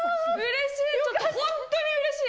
うれしい。